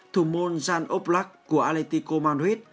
thủ môn jean aubrac của atletico madrid